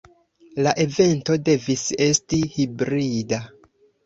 La evento devis esti hibrida.